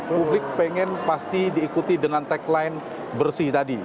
publik pengen pasti diikuti dengan tagline bersih tadi